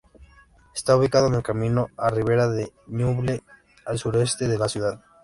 Está ubicado en el camino a Ribera de Ñuble, al sureste de la ciudad.